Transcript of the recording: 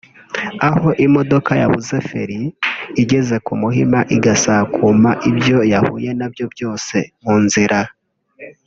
aho imodoka yabuze feri igeze ku Muhima igasakuma ibyo yahuye nabyo byose mu nzira